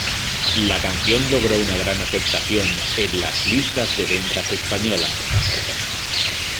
La canción logró una gran aceptación en las listas de ventas españolas.